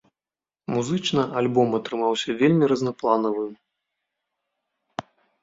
Музычна альбом атрымаўся вельмі разнапланавым.